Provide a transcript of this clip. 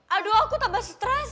aduh aku tambah stres